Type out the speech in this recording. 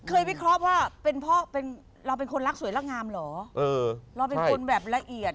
เคยวิเคราะห์ว่าเราเป็นคนรักสวยและงามเหรอเราเป็นคนแบบละเอียด